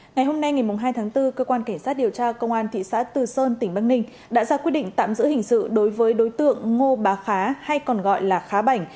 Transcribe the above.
ngày hôm nay ngày hai tháng bốn cơ quan cảnh sát điều tra công an thị xã từ sơn tỉnh bắc ninh đã ra quyết định tạm giữ hình sự đối với đối tượng ngô bá khá hay còn gọi là khá bảnh